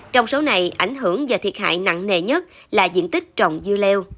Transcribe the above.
trong số này ảnh hưởng và thiệt hại nặng nề nhất là diện tích trồng dưa leo